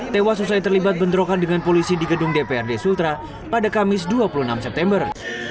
tewas usai terlibat bentrokan dengan polisi di gedung dprd sultra pada kamis dua puluh enam september